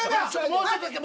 もうちょっとだけ。